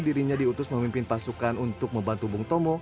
dirinya diutus memimpin pasukan untuk membantu bung tomo